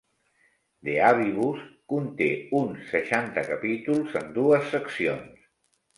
"De avibus" conté uns seixanta capítols en dues seccions.